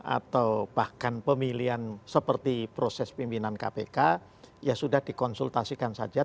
atau bahkan pemilihan seperti proses pimpinan kpk ya sudah dikonsultasikan saja